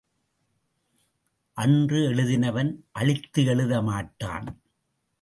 அன்று எழுதினவன் அழித்து எழுத மாட்டான்.